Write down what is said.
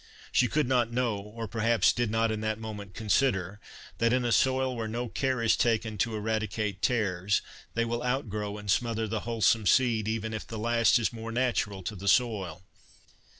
She could not know, or perhaps did not in that moment consider, that in a soil where no care is taken to eradicate tares, they will outgrow and smother the wholesome seed, even if the last is more natural to the soil.